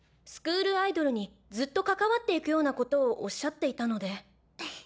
スクールアイドルにずっと関わっていくようなことをおっしゃっていたので。